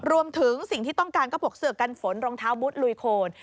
รวมถึงสิ่งที่ต้องการก็พวกเสือกกันฝนรองเท้าบุตรลุยโคน